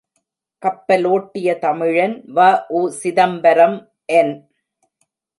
கப்பலோட்டிய தமிழன் வ.உ.சிதம்பரம் என்.